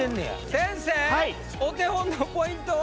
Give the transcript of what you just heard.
先生お手本のポイントは？